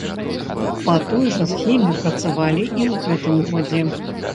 Па той жа схеме працавалі і ў гэтым годзе.